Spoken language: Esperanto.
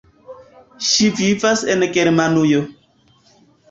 Ŝi vivas en Germanujo.